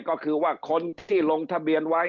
ก็คือว่าคนที่ลงทะเบียนไว้